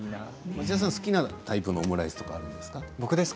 町田さんは好きなタイプのオムライス、ありますか。